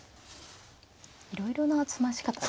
いろいろな詰まし方が。